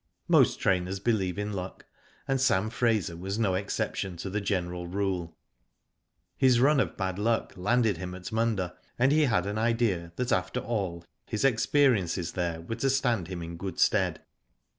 Most trainers believe in luck, and Sam Fraser was no exception to the general rule. His run of bad luck landed him at Munda, and he had an idea that after all his experiences there were to stand him in good stead.